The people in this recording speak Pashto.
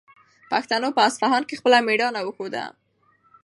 پښتنو په اصفهان کې خپله مېړانه وښوده.